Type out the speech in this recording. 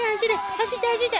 走って走って。